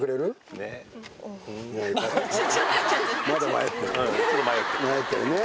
迷ってるね。